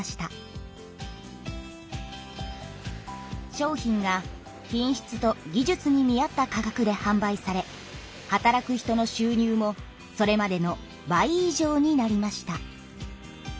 商品が品質と技術に見合った価格ではん売され働く人のしゅう入もそれまでの倍以上になりました。